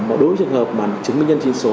một đối trường hợp mà chứng minh nhân trình số